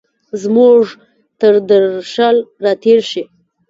زموږ تردرشل، را تېرشي